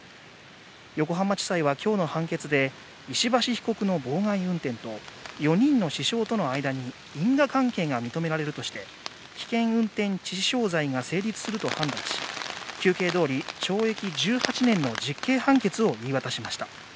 横浜地裁は今日の判決で、石橋被告の妨害運転と４人の死傷との間に因果関係が認められるとして、危険運転致死傷罪が成立すると判断し、求刑どおり、懲役１８年の実刑判決を言い渡しました。